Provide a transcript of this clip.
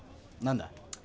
何だ？